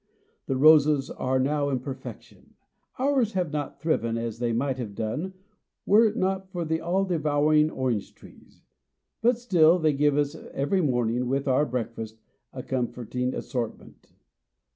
The roses are now in perfection. Ours have not thriven as they might have done were it not for the all devouring orange trees; but still they give us every morning, with our breakfast, a comforting assortment.